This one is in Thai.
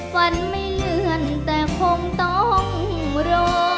วันไม่เลื่อนแต่คงต้องรอ